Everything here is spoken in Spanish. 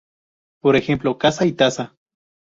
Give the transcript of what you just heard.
Por ejemplo "casa" y "tasa".